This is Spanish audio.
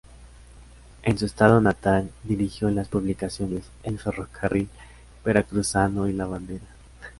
En su estado natal dirigió las publicaciones "El Ferrocarril Veracruzano" y "La Bandera".